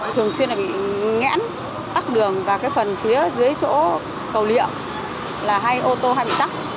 thường xuyên là bị ngãn tắc đường và cái phần phía dưới chỗ cầu liệu là hai ô tô hay bị tắc